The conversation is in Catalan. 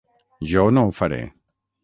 Jo no ho faré.